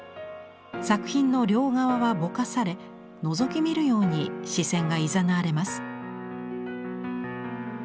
作品の両側はぼかされのぞき見るように視線がいざなわれます。